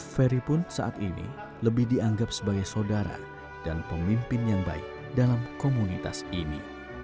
ferry pun saat ini lebih dianggap sebagai saudara dan pemimpin yang baik dalam komunitas ini